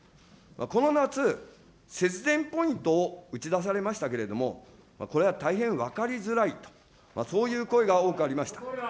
この夏、節電ポイントを打ち出されましたけれども、これは大変分かりづらいと、そういう声が多くありました。